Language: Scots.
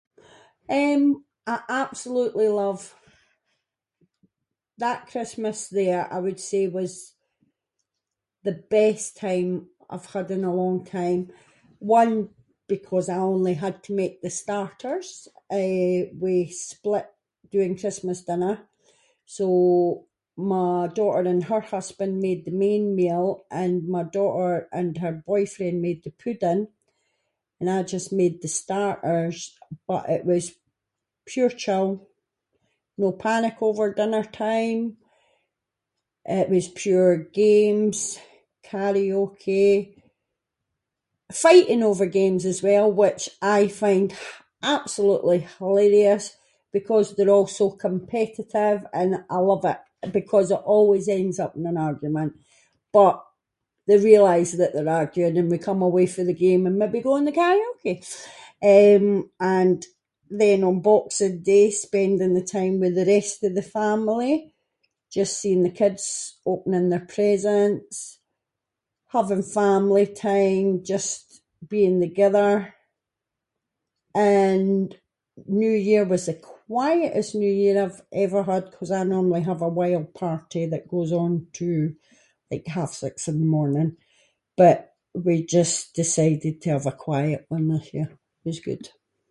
Eh, I absolutely love, that Christmas there, was- I would say the best time I’ve had in a long time, one because I only had to make the starters, eh, we split doing Christmas dinner, so my daughter and her husband made the main meal, and my daughter and her boyfriend made the pudding, and I just made the starters. But it was pure chill, no panic over dinnertime, it was pure games, karaoke, fighting over games as well, which I find h- absolutely hilarious because they’re all so competitive and I love it, because it always ends up in an argument, but they realise that they’re arguing and we come away fae the game and maybe go on the karaoke, eh, and then on boxing day spending the time with the rest of the family, just seeing the kids opening their presents, having family time, just being the-gither, and New Year was the quietest New Year I’ve ever had, ‘cause I normally have a wild party that goes on to like half-six in the morning, but we just decided to have a quiet one this year, was good.